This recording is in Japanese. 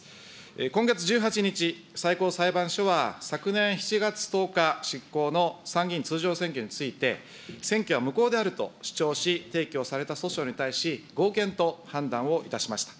今月１８日、最高裁判所は昨年７月１０日執行の参議院通常選挙について、選挙は無効であると主張し、提起をされた訴訟に対し、合憲と判断をいたしました。